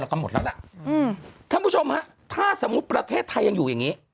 แล้วก็หมดแล้วล่ะอืมท่านผู้ชมฮะถ้าสมมุติประเทศไทยยังอยู่อย่างงี้